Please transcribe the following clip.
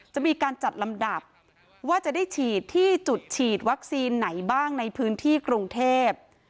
จะมีการจัดลำดับว่าจะได้ฉีดที่จุดฉีดวัคซีนไหนบ้างในพื้นที่กรุงเทพ